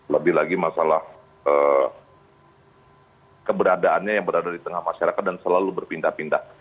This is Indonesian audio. lebih lagi masalah keberadaannya yang berada di tengah masyarakat dan selalu berpindah pindah